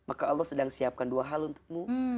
maka allah sedang siapkan dua hal untukmu